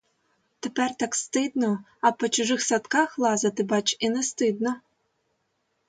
Тепер так стидно, а по чужих садках лазити, бач, і не стидно.